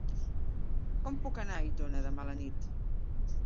Com puc anar a Aitona demà a la nit?